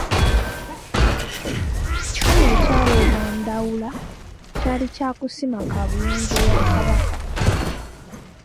EKifumu ekyaweebwa Ndawula kyali kya kusima kaabuyonjo ya Kabaka.